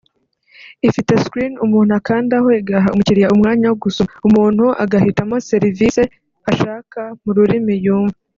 Ifite “screen” umuntu akandaho igaha umukiriya umwanya wo gusoma umuntu agahitamo serivise ashaka mu rurimi yumva